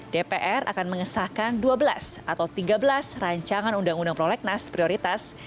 dpr akan mengesahkan dua belas atau tiga belas rancangan undang undang prolegnas prioritas